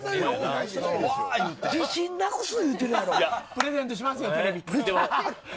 プレゼントしますよ、テレビ。